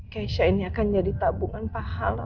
keisha ini akan jadi tabungan pahala